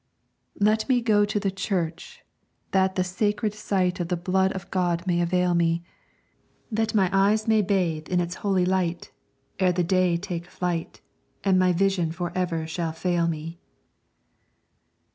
"Let me go to the church, that the sacred sight Of the blood of God may avail me; That my eyes may bathe in its holy light, Ere the day take flight, And my vision forever shall fail me!"